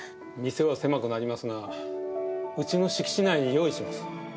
店は狭くなりますが、うちの敷地内に用意します。